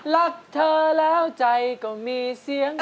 รักเธอแล้วใจก็มีเสียง